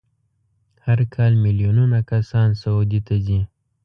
هر کال میلیونونه کسان سعودي ته ځي.